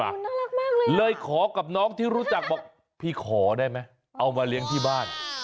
น่ารักมากเลยเลยขอกับน้องที่รู้จักบอกพี่ขอได้ไหมเอามาเลี้ยงที่บ้าน